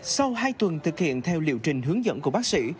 sau hai tuần thực hiện theo liệu trình hướng dẫn của bác sĩ